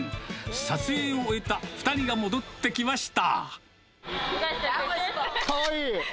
撮影を終えた２人が戻ってきました。